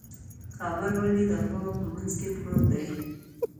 کابل ولې د غرونو په منځ کې پروت دی؟